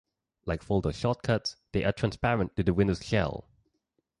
Like folder shortcuts, they are transparent to the Windows shell.